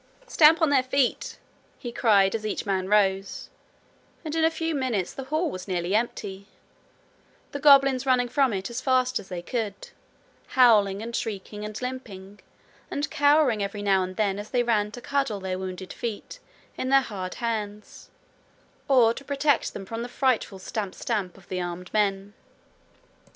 'Stamp on their feet!' he cried as each man rose, and in a few minutes the hall was nearly empty, the goblins running from it as fast as they could, howling and shrieking and limping, and cowering every now and then as they ran to cuddle their wounded feet in their hard hands, or to protect them from the frightful stamp stamp of the armed men.